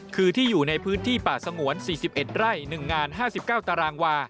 คือที่อยู่ในพื้นที่ป่าสงวน๔๑ไร่๑งาน๕๙ตารางวา